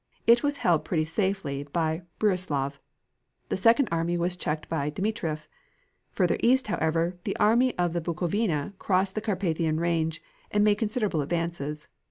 It was held pretty safely by Brussilov. The second army was checked by Dmitrieff. Further east, however, the army of the Bukovina crossed the Carpathian range, and made considerable advances.